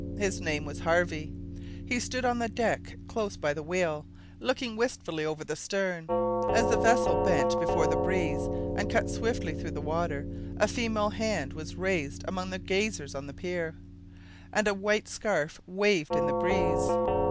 His name was Harvey. He stood on the deck, close by the wheel, looking wistfully over the stern. As the vessel bent before the breeze, and cut swiftly through the water, a female hand was raised among the gazers on the pier, and a white scarf waved in the breeze.